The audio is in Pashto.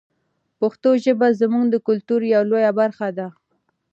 پښتو ژبه زموږ د کلتور یوه لویه برخه ده.